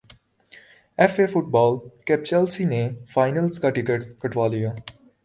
F A football کپچیلسی نے final کا ٹکٹ کٹوا لیا